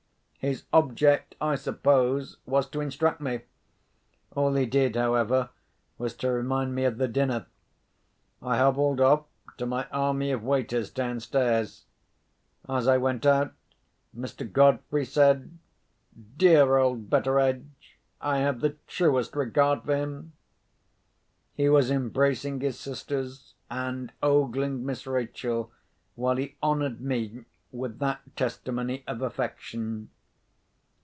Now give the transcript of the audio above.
His object, I suppose, was to instruct me. All he did, however, was to remind me of the dinner. I hobbled off to my army of waiters downstairs. As I went out, Mr. Godfrey said, "Dear old Betteredge, I have the truest regard for him!" He was embracing his sisters, and ogling Miss Rachel, while he honoured me with that testimony of affection.